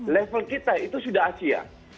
level kita itu sudah asia